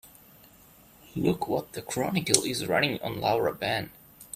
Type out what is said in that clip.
Look what the Chronicle is running on Laura Ben.